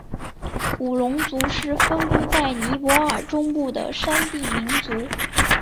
古隆族是分布在尼泊尔中部的山地民族。